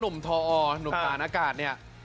หนุ่มทออร์หนุ่มการอากาศเนี่ย